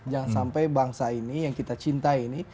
jangan sampai bangsa ini yang kita cintai ini